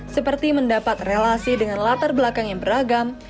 seperti mendapat relasi dengan latar belakang yang beragam